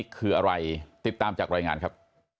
คืออะไรติดตามจากรายงานครับ